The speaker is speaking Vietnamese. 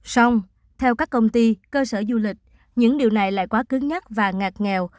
xong theo các công ty cơ sở du lịch những điều này lại quá cứng nhắc và ngạt nghèo